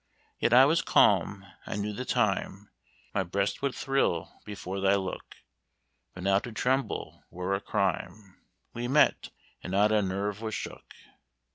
"Yet I was calm: I knew the time My breast would thrill before thy look; But now to tremble were a crime We met, and not a nerve was shook.